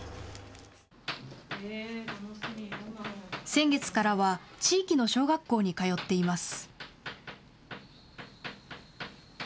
先月からは地域の小学校に通っています。